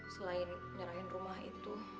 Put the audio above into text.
selain nyerahin rumah itu